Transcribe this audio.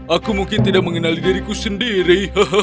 aku mungkin tidak mengenali diriku sendiri